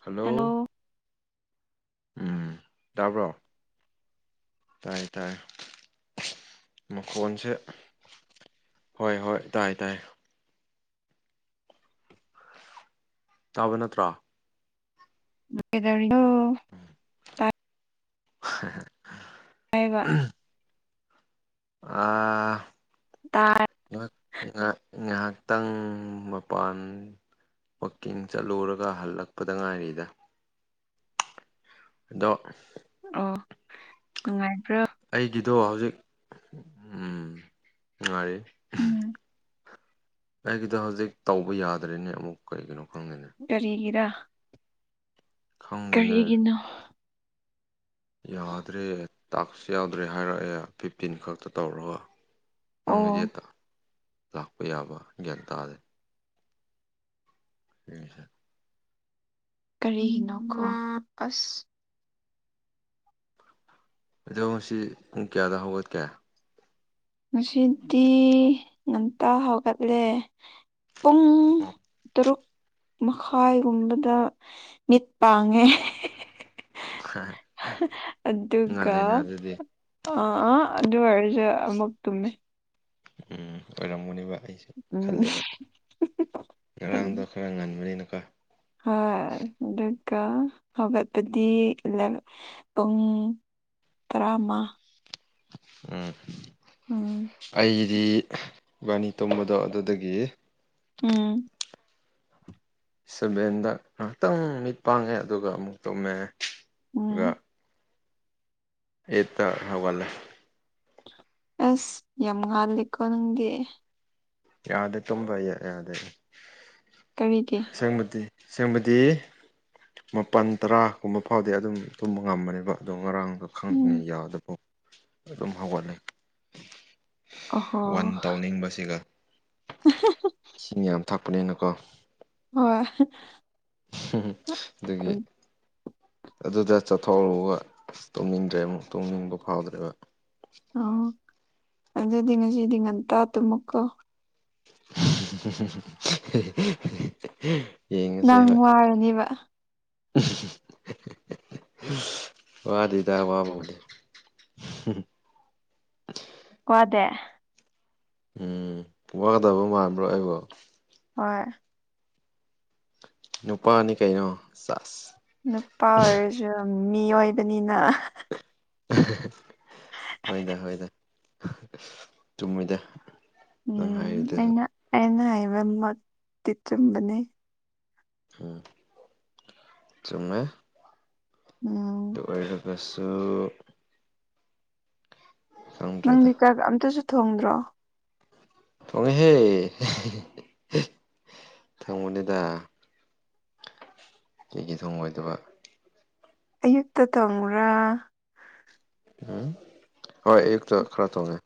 Hello ꯎꯝ ꯇꯥꯕ꯭ꯔꯣ ꯇꯥꯏ ꯇꯥꯏꯦ ꯃꯈꯣꯟꯁꯦ ꯍꯣꯏ ꯍꯣꯏ ꯇꯥꯏ ꯇꯥꯏ ꯇꯥꯕ ꯅꯠꯇ꯭ꯔꯥ [unintelligible] [unintelligible] ꯇꯥꯏꯕ ꯑ ꯇꯥꯏ ꯉꯍꯥꯛ ꯉ ꯉꯥꯏꯍꯥꯛꯇꯪ ꯃꯄꯥꯟ ꯋꯥꯛꯀꯤꯡ ꯆꯠꯂꯨꯔꯒ ꯍꯜꯂꯛꯄꯗ ꯉꯥꯏꯔꯤꯗ ꯑꯗꯣ ꯑꯣ ꯅꯨꯡꯉꯥꯏꯕ꯭ꯔꯥ ꯑꯩꯒꯤꯗꯣ ꯍꯧꯖꯤꯛ [unintelligible] ꯅꯨꯡꯉꯥꯏꯔꯤ ꯎꯝ [unintelligible] ꯑꯩꯒꯤꯗ ꯍꯧꯖꯤꯛ ꯇꯧꯕ ꯌꯥꯗ꯭ꯔꯦꯅꯦ ꯑꯃꯨꯛ ꯀꯩꯒꯤꯅꯣ ꯈꯪꯗꯦꯅꯤ ꯀꯔꯤꯒꯤꯔ ꯈꯪꯗꯦꯅꯦ ꯀꯔꯤꯒꯤꯅꯣ ꯌꯥꯗ꯭ꯔꯦ ꯇꯥꯛꯁꯨ ꯌꯥꯎꯗ꯭ꯔꯦ ꯍꯥꯏꯔꯛꯑꯦ ꯐꯤꯞꯇꯤꯟ ꯈꯛꯇ ꯇꯧꯔꯒ ꯑꯣ ꯅꯪꯒꯤꯖꯦꯠꯇ ꯂꯥꯛꯄ ꯌꯥꯕ ꯒ꯭ꯌꯥꯟ ꯇꯥꯗꯦ [unintelligible] ꯀꯔꯤꯒꯤꯅꯣ ꯑꯁ ꯑꯗꯨꯣꯁꯤ ꯄꯨꯡ ꯀꯌꯥꯗ ꯍꯧꯒꯠꯀꯦ ꯉꯁꯤꯗꯤ ꯉꯝꯇ ꯍꯧꯒꯠꯂꯦ ꯄꯨꯡ ꯎꯝ ꯐꯔꯨꯛ ꯃꯈꯥꯏꯒꯨꯝꯕꯗ ꯃꯤꯠ ꯄꯥꯡꯉꯦ ꯑꯗꯨꯒ ꯉꯜꯂꯦꯅ ꯑꯗꯨꯗꯤ ꯑ ꯑ ꯑꯗꯨ ꯑꯣꯏꯔꯖ ꯑꯃꯨꯛ ꯇꯨꯝꯃꯦ ꯎꯝ ꯑꯣꯏꯔꯝꯃꯨꯅꯦꯕ ꯑꯩꯁꯨꯦ ꯈꯜꯂꯦꯕ ꯉꯔꯥꯡꯗꯣ ꯈꯔ ꯉꯟꯕꯅꯤꯅꯀꯣ ꯍ ꯗꯀ ꯍꯧꯒꯥꯠꯄꯗꯤ ꯇꯨꯡ ꯇꯔꯥꯃ ꯎꯝ ꯎꯝ ꯑꯩꯗꯤ ꯏꯕꯥꯅꯤ ꯇꯣꯝꯕꯗꯣ ꯑꯗꯨꯗꯒꯤ ꯎꯝ ꯁꯚꯦꯟꯗ ꯉꯥꯏꯍꯥꯛꯇꯪ ꯃꯤꯠ ꯄꯥꯡꯉꯦ ꯑꯗꯨꯒ ꯑꯃꯨꯛ ꯇꯧꯃꯦꯦ ꯎꯝ ꯑꯩ ꯇ ꯍꯒꯜ ꯑꯁ ꯌꯥꯝ ꯉꯥꯂꯦꯀꯣ ꯅꯪꯗꯤ ꯌꯥꯗ ꯇꯨꯝꯕ ꯀꯔꯤꯒꯤ ꯌꯥꯗꯦꯁꯪꯕꯗꯤ ꯁꯦꯡꯕꯗꯤ ꯃꯥꯄꯜ ꯇꯔꯥꯒꯨꯝꯕ ꯐꯥꯎꯗꯤ ꯑꯗꯨꯝ ꯇꯨꯝꯕ ꯉꯝꯃꯅꯦꯕ ꯑꯗꯣ ꯉꯔꯥꯡꯗꯣ ꯈꯪꯗꯉ ꯎꯝ ꯌꯥꯗꯕ ꯑꯗꯨꯝ ꯍꯧꯒꯠꯅꯩ ꯑꯍꯣ ꯋꯥꯟ ꯇꯧꯅꯤꯡꯕꯁꯤꯒ [unintelligible] ꯏꯁꯤꯡ ꯌꯥꯝ ꯊꯛꯄꯅꯤꯅꯀꯣ ꯍꯣꯌ ꯑꯗꯨꯗꯒꯤ ꯑꯗꯨꯗ ꯆꯠꯊꯣꯛꯔꯛꯒ ꯇꯣꯡꯅꯤꯡꯗ꯭ꯔꯦ ꯑꯃꯨꯛ ꯇꯣꯡꯅꯤꯡꯕ ꯐꯥꯎꯗ꯭ꯔꯦꯕ ꯑꯣ ꯑꯗꯨꯖꯗꯤꯖꯤꯗꯤꯉꯟ ꯇꯨꯃꯀ ꯌꯦꯡꯉꯁꯦ ꯅꯪ ꯍꯣꯏ ꯋꯥꯔꯅꯤꯕ ꯋꯥꯗꯨꯗ ꯑꯋꯥꯕꯅꯦ ꯋꯥꯗꯦ ꯎꯝ ꯋꯥꯗꯕ ꯃꯥꯟꯕ꯭ꯔꯣ ꯑꯩꯕꯣ ꯍꯣꯏ ꯅꯨꯄꯥꯅꯤ ꯀꯩꯅꯣ ꯆꯥꯁ ꯅꯨꯄꯥ ꯑꯣꯏꯔꯁꯨ ꯃꯤ ꯑꯣꯏꯕꯅꯤꯅ ꯍꯣꯏꯗ ꯍꯣꯏꯗ ꯆꯨꯝꯃꯣꯏꯗ ꯎꯝ ꯑꯩꯅ ꯑꯩꯅ ꯍꯥꯏꯕꯃꯛꯇꯤ ꯆꯨꯝꯕꯅꯦ ꯎꯝ ꯆꯃꯦ ꯎꯝ ꯑꯗꯨ ꯑꯣꯏꯔꯒꯁꯨ ꯈꯪꯗ꯭ꯔꯦꯗ ꯅꯪꯗꯤ ꯀ ꯑꯝꯇꯁꯨ ꯊꯣꯡꯗ꯭ꯔꯣ ꯊꯉꯦꯍꯦ ꯊꯪꯃꯅꯦꯗ ꯀꯦꯒꯤ ꯊꯣꯡ ꯑꯣꯏꯣꯏꯗꯕ ꯑꯌꯨꯛꯇ ꯇꯣꯡ꯭ꯔꯥ ꯎꯝ ꯍꯣꯏ ꯑꯌꯨꯛꯇ ꯈꯔ ꯇꯣꯡꯉꯦ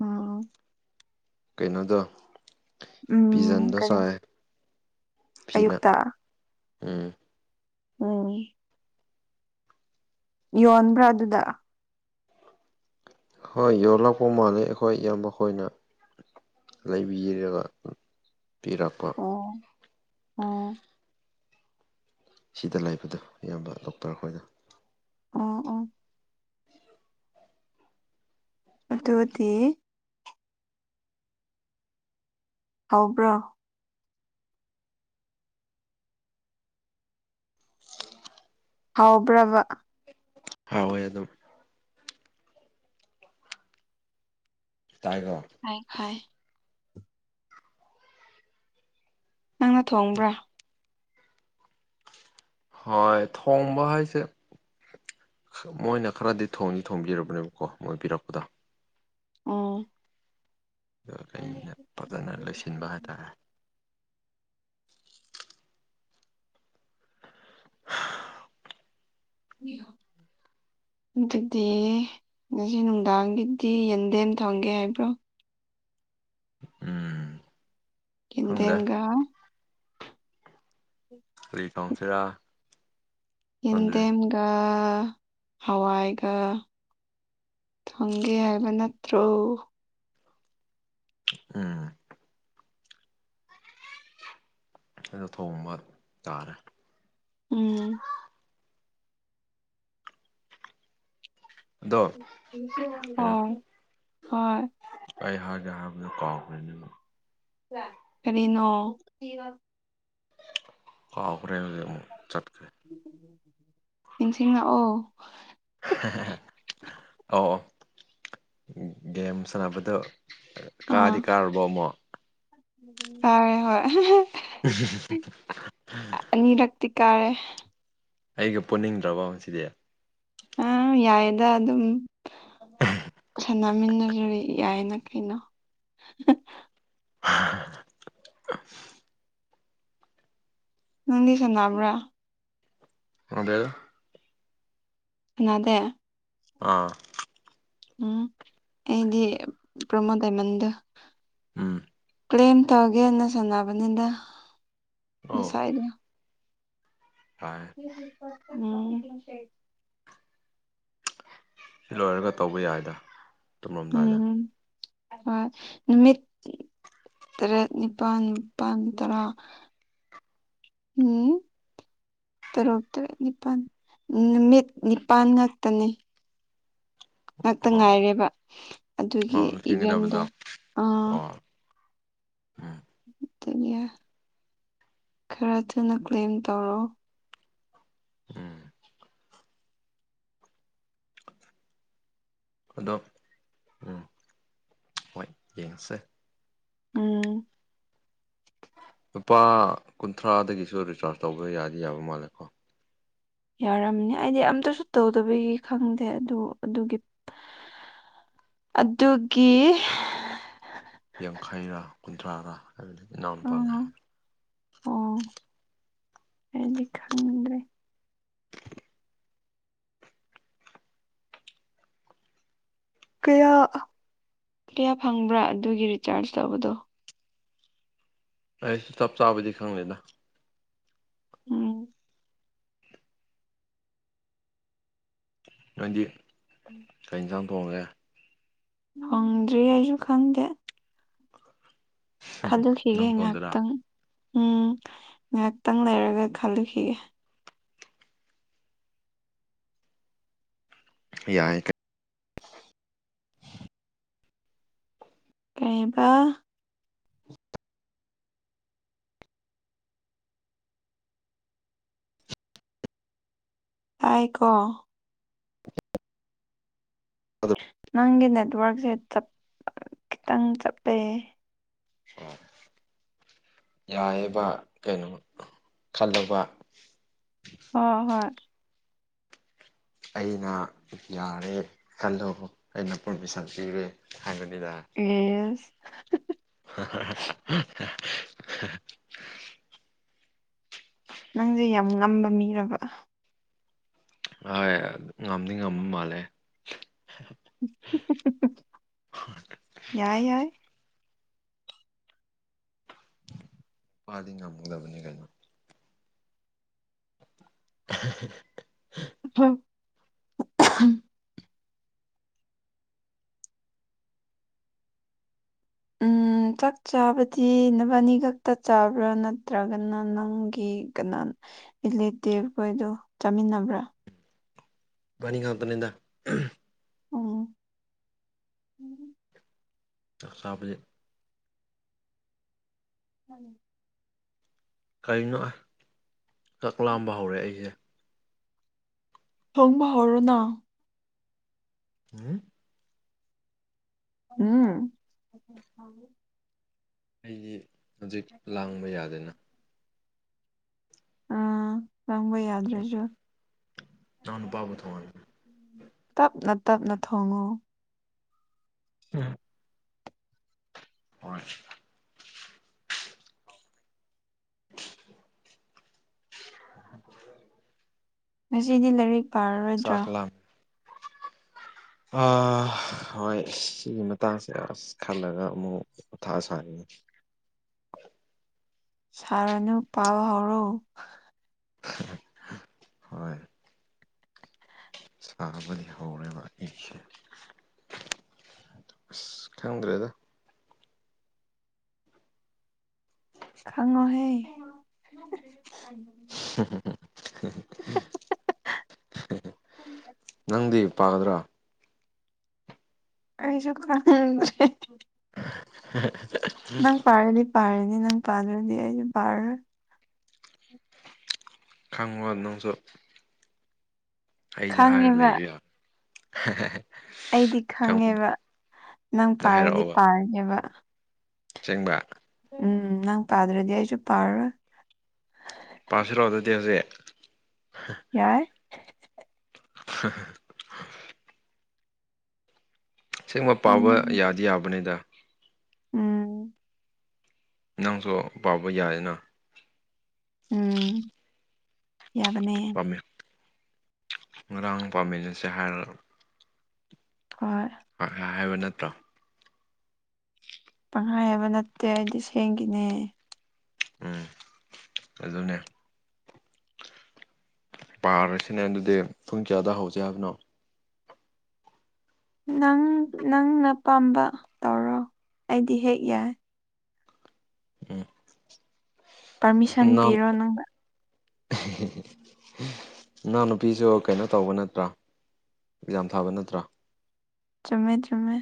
ꯑ ꯀꯩꯅꯣꯗꯣ ꯎꯝ ꯄꯤꯖꯟꯗꯣ ꯀꯔꯤ ꯁꯥꯏ ꯐꯤꯅ ꯑꯌꯨꯛꯇ ꯎꯝ ꯎꯝ ꯌꯣꯟꯕ꯭ꯔꯥ ꯑꯗꯨꯗ ꯍꯣꯏ ꯌꯣꯜꯂꯛꯄ ꯃꯥꯜꯂꯦ ꯑꯩꯈꯣꯏ ꯏꯌꯥꯝꯕꯣꯏꯅ ꯂꯩꯕꯤꯔꯒ ꯄꯤꯔꯛꯄ ꯑꯣ ꯑꯣ ꯁꯤꯗ ꯂꯩꯕꯗꯣ ꯑꯌꯥꯝꯕ ꯗꯣꯛꯇꯔ ꯑꯩꯈꯣꯏꯅ ꯑꯣ ꯑꯣ ꯑꯗꯨꯗꯤ ꯍꯕ꯭ꯔꯣ ꯍꯥꯎꯕ꯭ꯔꯕ ꯍ ꯍꯣꯏ ꯑꯗꯨꯝ ꯇꯥꯏꯒꯣ ꯍ ꯍꯣꯏ ꯅꯪꯅ ꯊꯣꯡꯕ꯭ꯔꯥ ꯍꯣꯌ ꯊꯣꯡꯕ ꯍꯥꯏꯁꯦ ꯃꯣꯏꯅ ꯈꯔꯗꯤ ꯊꯣꯡꯅꯤ ꯊꯣꯡꯕꯤꯔꯕꯅꯦꯕꯀꯣ ꯃꯣꯏ ꯄꯤꯔꯛꯄꯗ ꯎꯝ ꯑꯗꯨꯒ ꯑꯩꯅ ꯐꯖꯅ ꯂꯩꯣꯏꯁꯤꯟꯕ ꯍꯥꯏꯇꯥꯔꯦ ꯅ꯭ꯌꯨ ꯌ ꯑꯗꯨꯗꯤ ꯉꯁꯤ ꯅꯨꯡꯗꯥꯡꯒꯤꯗꯤ ꯌꯦꯟꯗꯦꯝ ꯊꯪꯒꯦ ꯍꯥꯏꯕ꯭ꯔꯣ ꯎꯝ ꯈꯪꯗꯦ ꯌꯦꯟꯗꯦꯝꯒ ꯍ ꯀꯝ ꯐꯔꯥ ꯌꯦꯟꯗꯦꯝꯒ ꯍꯋꯥꯏꯒ ꯊꯪꯒꯦ ꯍꯥꯏꯕ ꯅꯠꯇ꯭ꯔꯣ ꯑꯝ ꯑꯩꯅ ꯊꯣꯡ ꯑꯃ ꯇꯥꯔꯦ ꯎꯝ ꯑꯗꯣ ꯀꯩꯅꯣ ꯑꯣ ꯍꯣꯏ ꯑꯩ ꯍꯖꯍ ꯀꯥꯎ ꯀꯔꯤꯅꯣ ꯍꯈꯥ ꯍꯈ꯭ꯔꯦ ꯍꯧꯖꯛ ꯆꯠꯈꯦ ꯅꯤꯡꯁꯤꯡꯅ ꯑꯣ ꯑꯧ ꯑꯣ ꯒꯦꯝ ꯁꯥꯟꯅꯕꯗꯣ ꯀꯥꯗꯤ ꯀꯥꯔꯕꯣ ꯑꯃꯨꯛ ꯇꯥꯔꯦ ꯍꯣꯏ [unintelligible] ꯅꯤ ꯔ ꯇꯤ ꯀꯥꯔꯦ ꯑꯩꯒ ꯄꯨꯅꯤꯡꯗ꯭ꯔꯕ ꯁꯤꯗꯤ ꯑ ꯌꯥꯏꯗ ꯑꯗꯨꯝ ꯁꯥꯟꯅꯃꯤꯟꯅꯖꯤꯔ ꯌꯥꯏꯅ ꯀꯩꯅꯣ [unintelligible] ꯅꯪꯗꯤ ꯁꯥꯟꯕ꯭ꯔꯥ ꯑꯦꯗꯦ ꯀꯅꯥꯗꯦ ꯑꯥ ꯎꯝ ꯑꯩꯗꯤ ꯄ꯭ꯔꯃꯣ ꯗꯥꯢꯃꯟꯗꯣ ꯎꯝ ꯀ꯭ꯂꯦꯝ ꯇꯧꯒꯦꯅ ꯁꯥꯟꯅꯕꯅꯤꯗ ꯉꯁꯥꯏꯒꯤꯗꯣ ꯍ ꯎꯝ ꯁꯤ ꯂꯣꯏꯔꯒ ꯇꯧꯕ ꯌꯥꯏꯗ ꯇꯨꯝꯂꯝꯗꯥꯏꯗ ꯎꯝ ꯍꯣꯢ ꯅꯨꯃꯤꯠ ꯇꯔꯦꯠ ꯅꯤꯄꯥꯜ ꯅꯤꯄꯥꯜ ꯇꯔꯥ ꯎꯝ ꯇꯔꯨꯛ ꯇꯔꯦꯠ ꯅꯤꯄꯥꯜ ꯅꯨꯃꯤꯠ ꯅꯤꯄꯥꯜ ꯉꯛꯇꯅꯦ ꯉꯥꯛꯇ ꯑꯣ ꯉꯥꯏꯔꯦꯕ ꯑꯗꯨꯒꯤ ꯑꯣ ꯏꯚꯟꯗꯣ ꯊꯦꯡꯒꯗꯕꯗꯣ ꯑꯥ ꯑꯣ ꯎꯝ ꯑꯗꯨꯒꯤ ꯈꯔ ꯊꯨꯅ ꯀ꯭ꯂꯦꯝ ꯇꯧꯔꯣ ꯎꯝ ꯑꯗꯣ ꯎꯝ ꯍꯣꯏ ꯌꯦꯡꯁꯦ ꯎꯝ ꯂꯨꯄꯥ ꯀꯨꯟꯊ꯭ꯔꯥꯗꯒꯤꯁꯨ ꯔꯤꯆꯥꯔꯖ ꯇꯧꯕ ꯌꯥꯗꯤ ꯌꯥꯕ ꯃꯥꯜꯂꯦꯀꯣ ꯌꯥꯔꯝꯅꯤ ꯑꯩꯗꯤ ꯑꯝꯇꯁꯨ ꯇꯧꯗꯕꯒꯤ ꯈꯪꯗꯦ ꯑꯗꯨ ꯑꯗꯨꯒꯤ ꯑꯗꯨꯒꯤ ꯌꯥꯡꯈꯩꯔꯥ ꯀꯨꯟꯊ꯭ꯔꯥꯔꯥ ꯍꯥꯏꯕꯗꯤ ꯏꯅꯥꯎ ꯅꯨꯄꯥꯥꯟꯅ ꯑꯥ ꯍꯥꯏ ꯑꯣ ꯑꯩꯗꯤ ꯈꯪ ꯀꯌꯥ ꯀꯌꯥ ꯐꯪꯕ꯭ꯔꯥ ꯑꯗꯨꯒꯤ ꯔꯤꯆꯥꯔꯖ ꯇꯧꯕꯗꯣ ꯑꯩꯁꯨ ꯆꯞ ꯆꯥꯕꯗꯤ ꯈꯪꯗꯦꯗ ꯎꯝ ꯅꯣꯏꯗꯤ ꯀꯩ ꯏꯟꯁꯥꯡ ꯊꯣꯡꯉꯒꯦ ꯐꯪꯗ꯭ꯔꯤ ꯑꯩꯁꯨ ꯈꯪꯗꯦ ꯈꯜꯂꯨꯈꯤꯒꯦ ꯅꯪ ꯊꯣꯡꯗꯣꯏꯔꯥ ꯉꯥꯏꯍꯥꯛꯇꯪ ꯎꯝ ꯉꯥꯏꯍꯥꯛꯇꯪ ꯂꯩꯔꯒ ꯈꯜꯂꯨꯈꯤꯒꯦ ꯌꯥꯏ ꯀ ꯀꯩꯕ ꯑꯥꯢ ꯀꯣ ꯅꯪꯒꯤ ꯅꯦꯠꯋꯔꯛꯁꯦ ꯆꯞ ꯈꯤꯇꯪ ꯆꯞꯄꯦ ꯑꯣ ꯌꯥꯌꯦꯕ ꯀꯩꯅꯣ ꯈꯜꯂꯕ ꯑꯣ ꯍꯣꯏ ꯑꯩꯅ ꯌꯥꯔꯦ ꯈꯜꯂꯣ ꯑꯩꯅ ꯄꯔꯃꯤꯁꯟ ꯄꯤꯔꯦ ꯍꯥꯏꯕꯅꯤꯗ ꯌꯦꯁ ꯍꯥ ꯍꯥ [inaudible] ꯅꯪꯁꯦ ꯌꯥꯝ ꯉꯝꯕ ꯃꯤꯔꯕ ꯍꯣꯢ ꯉꯝꯗꯤ ꯉꯝꯕ ꯃꯥꯜꯂꯦ ꯌꯥꯏ ꯌꯥꯏ ꯅꯨꯄꯥꯗꯤ ꯉꯝꯗꯕꯅꯤ ꯀꯩꯅꯣ [unintelligible] [unintelligible] [inaudible] ꯎꯝ ꯆꯥꯛ ꯆꯥꯕꯗꯤ ꯅꯕꯥꯅꯤ ꯈꯛꯇ ꯆꯥꯕ꯭ꯔꯥ ꯅꯠꯇ꯭ꯔꯒꯅ ꯅꯪꯒꯤ ꯀꯅꯥ ꯏꯂꯦꯛꯇꯦꯞ ꯈꯣꯏꯗꯣ ꯆꯥꯃꯤꯟꯅꯕ꯭ꯔꯥ ꯏꯕꯅꯤ ꯉꯝꯃꯛꯞꯅꯤꯅꯥ ꯑꯣ ꯎꯝ ꯆꯥꯛ ꯆꯥꯕꯁꯦ ꯎ ꯀꯔꯤꯅꯣ ꯆꯥꯛ ꯂꯥꯝꯕ ꯍꯧꯔꯛꯑꯦ ꯑꯩꯁꯦ ꯊꯣꯡꯕ ꯍꯧꯔꯣꯅ ꯎꯝ ꯎꯝ ꯑꯩꯗꯤ ꯍꯧꯖꯤꯛ ꯂꯥꯡꯕ ꯌꯥꯗꯦꯅ ꯑꯥ ꯂꯪꯕ ꯌꯥꯗ꯭ꯔꯥꯖꯨ ꯏꯅꯥꯎ ꯅꯨꯄꯥꯕꯨ ꯊꯣꯡꯍꯟꯒꯦ ꯇꯞꯅ ꯇꯞꯅ ꯊꯣꯡꯉꯨ ꯎꯝ ꯍꯣꯏ [inaudible] ꯉꯁꯤꯗꯤ ꯂꯥꯏꯔꯤꯛ ꯄꯥꯔꯔꯣꯏꯗ꯭ꯔꯥ ꯆꯥꯛ ꯂꯥꯝ ꯑ ꯍꯣꯏ ꯁꯤꯒꯤ ꯃꯇꯥꯡꯁꯦ ꯑꯁ ꯈꯜꯂꯒ ꯑꯃꯨꯛ ꯑꯣꯊꯁꯥ ꯁꯥꯔꯅꯨ ꯄꯥꯎ ꯍꯧꯔꯣ ꯍꯣꯏ ꯁꯥꯥꯕꯅꯤ ꯍꯧꯔꯉ ꯏꯦ ꯈꯪꯗ꯭ꯔꯦꯗ ꯈꯪꯉꯣꯍꯦ [inaudible] ꯅꯪꯗꯤ ꯄꯥꯒꯗ꯭ꯔꯥ ꯑꯩꯁꯨ ꯈꯟꯗ꯭ꯔꯦ ꯎꯝ ꯄꯥꯅꯤ ꯄꯔꯅꯤ ꯅꯪ ꯄꯥꯗ꯭ꯔꯗꯤ ꯄꯔ ꯈꯪꯉꯣ ꯅꯪꯁꯨ ꯑꯩꯗ ꯍꯥꯏꯔꯒ ꯈꯪꯉꯦꯕ ꯂꯩꯌ ꯌꯥ [unintelligible] ꯑꯩꯗꯤ ꯈꯪꯉꯦꯕ ꯅꯪ ꯄꯥꯔꯗꯤ ꯄꯥꯔꯒꯦꯕ ꯆꯦꯡꯕ꯭ꯔꯥ ꯎꯝ ꯅꯪ ꯄꯥꯗ꯭ꯔꯥꯗꯤ ꯑꯩꯁꯨ ꯄꯥꯔꯣꯢ ꯄꯥꯁꯤꯔꯣ ꯑꯗꯨꯗꯤ ꯍꯧꯖꯤꯛ ꯌꯥꯏ ꯑꯦꯡꯕ ꯄꯥꯕ ꯑꯩꯅꯅꯦ ꯌꯥꯗꯤ ꯌꯥꯕꯅꯤꯗ ꯎꯝ ꯅꯪꯁꯨ ꯄꯥꯕ ꯌꯥꯏꯌꯦꯅ ꯎꯝ ꯌꯥꯕꯅꯦ ꯄꯥꯝꯃꯤ ꯉꯔꯥꯡ ꯄꯥꯝꯃꯤꯟꯅꯁꯦ ꯍꯥꯏꯔ ꯍꯣꯏ ꯍꯥꯏꯕ ꯅꯠꯇ꯭ꯔꯣ ꯄꯪꯈꯥꯏ ꯍꯥꯏꯕ ꯅꯠꯇꯦ ꯑꯩꯗꯤ ꯁꯦꯡꯒꯤꯅꯦ ꯎꯝ ꯑꯗꯨꯅꯦ ꯄꯥꯔꯁꯤꯅꯦ ꯑꯗꯨꯗꯤ ꯄꯨꯡ ꯆꯌꯥꯗ ꯍꯧꯁꯦ ꯍꯥꯏꯕꯅꯣ ꯅꯪ ꯅꯪꯅ ꯄꯥꯝꯕ ꯇꯧꯔꯣ ꯑꯩꯗꯤ ꯍꯦꯛ ꯌꯥꯏ ꯄꯥꯔꯃꯤꯁꯟ ꯎꯝ ꯅ ꯄꯤꯔꯣ ꯅꯪꯅ ꯏꯅꯥꯎ ꯅꯨꯨꯄꯤꯁꯨ ꯀꯩꯅꯣ ꯇꯧꯕ ꯅꯠꯇ꯭ꯔꯥ ꯑꯦꯛꯖꯥꯝ ꯊꯥꯕ ꯅꯠꯇ꯭ꯔꫭ꯫ ꯆꯨꯝꯃꯦ-ꯆꯨꯝꯃꯦ꯫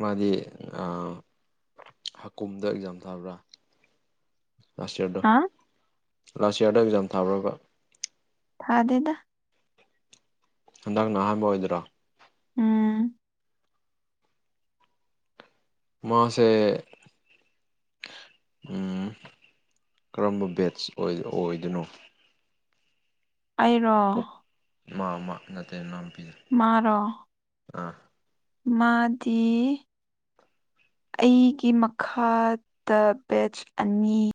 ꯃꯥꯗꯤ ꯑꯥ ꯍꯥꯀꯨꯝꯗ ꯑꯦꯛꯖꯥꯝ ꯊꯥꯕ꯭ꯔꯥ꯫ ꯂꯥꯁ ꯏꯌꯥꯔꯗꯣ ꯍꯥ ꯂꯥꯁ ꯏꯌꯥꯔꯗ ꯑꯦꯛꯖꯥꯝ ꯊꯥꯕ꯭ꯔꯕ꯫ ꯊꯥꯗꯦꯗ꯫ ꯍꯟꯗꯛꯅ ꯑꯍꯥꯟꯕ ꯑꯣꯏꯗꯣꯏꯔꯣ꯫ ꯎꯝ꯫ ꯃꯥꯁꯦ ꯎꯝ ꯀꯔꯝꯕ ꯕꯦꯠꯁ ꯑꫭꯏ ꯑꯣꯏꯗꯣꯏꯅꯣ꯫ ꯑꯩꯔꯣ ꯏꯃꯥ ꯃꯥ ꯅꯠꯇꯦꯅꯥꯝ ꯄꯤꯖꯦ ꯃꯔ ꯃꯥꯗꯤ ꯑꯩꯒꯤ ꯃꯈꯥꯗ ꯕꯦꯆ ꯑꯅꯤ